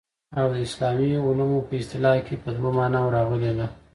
او د اسلامي علومو په اصطلاح کي په دوو معناوو راغلې ده.